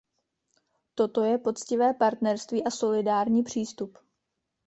Toto je poctivé partnerství a solidární přístup.